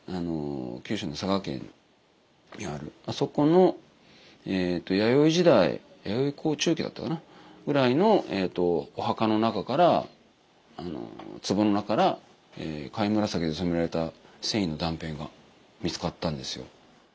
九州の佐賀県にあるあそこの弥生時代弥生後・中期だったかなぐらいのお墓の中から壺の中から貝紫で染められた繊維の断片が見つかったんですよ。